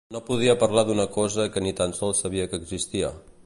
No podia parlar d'una cosa que ni tan sols sabia que existia.